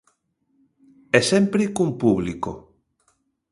E sempre con público.